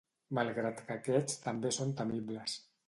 Malgrat que aquests també són temibles.